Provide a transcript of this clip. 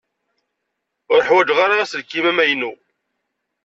Ur ḥwajeɣ ara aselkim amaynu.